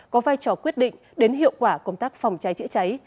có vai trò quyết định đến hiệu quả công tác phòng cháy chữa cháy